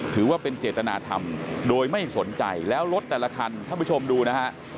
ถือว่าเป็นเจตนาธรรมโดยไม่สนใจแล้วรถแต่ละคันท่านผู้ชมดูนะฮะ